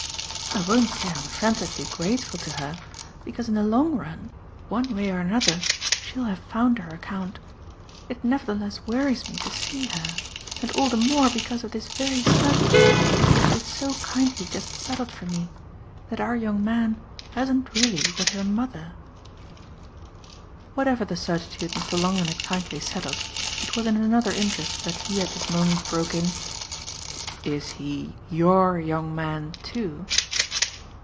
I won't say I'm frantically grateful to her, because in the long run one way or another she'll have found her account. It nevertheless worries me to see her; and all the more because of this very certitude, which you've so kindly just settled for me, that our young man hasn't really with her mother " Whatever the certitude Mr. Longdon had kindly settled, it was in another interest that he at this moment broke in. "Is he YOUR young man too?"